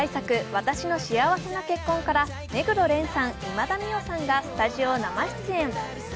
「わたしの幸せな結婚」から目黒蓮さん、今田美桜さんがスタジオ生出演。